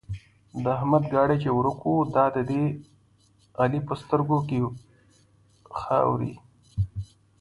د احمد ګاډی چې ورک وو؛ دا دی د علي په سترګو کې ښوري.